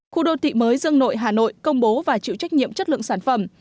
khu đô thị mới dương nội hà nội công bố và chịu trách nhiệm chất lượng sản phẩm